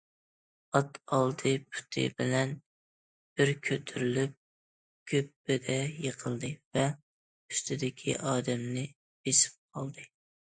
ئات ئالدى پۇتى بىلەن بىر كۆتۈرۈلۈپ گۈپپىدە يىقىلدى ۋە ئۈستىدىكى ئادەمنى بېسىپ قالدى.